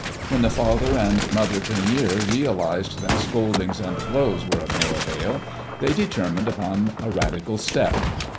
When the father and mother Tournier realized that scoldings and blows were of no avail, they determined upon a radical step.